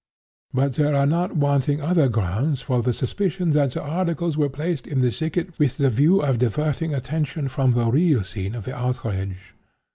"But there are not wanting other grounds for the suspicion that the articles were placed in the thicket with the view of diverting attention from the real scene of the outrage.